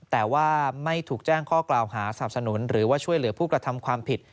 แต่ว่าไม่ถูกแจ้งข้อกล่าวหาสนับสนุนหรือว่าช่วยเหลือผู้กระทำความผิด